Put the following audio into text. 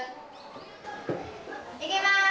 いきます。